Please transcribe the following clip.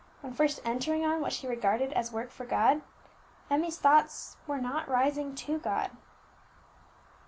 When first entering on what she regarded as work for God, Emmie's thoughts were not rising to God.